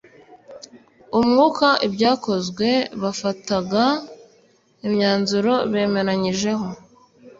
Umwuka ibyakozwe bafataga imyanzuro bemeranyijeho